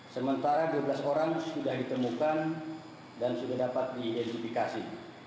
sementara dua belas orang sudah ditemukan dan sudah dapat diidentifikasi